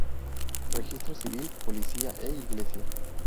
Registro Civil, Policía e Iglesia.